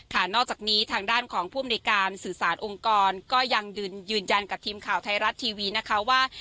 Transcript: นอกจากนี้ทางด้านของผู้อำนวยการสื่อสารองค์กรก็ยังยืนยันกับทีมข่าวไทยรัฐทีวีนะคะว่า